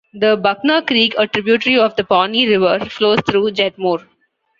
The Buckner Creek, a tributary of the Pawnee River, flows through Jetmore.